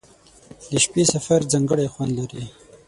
• د شپې سفر ځانګړی خوند لري.